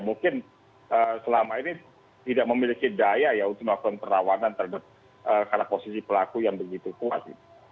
mungkin selama ini tidak memiliki daya ya untuk melakukan perlawanan terhadap posisi pelaku yang begitu kuat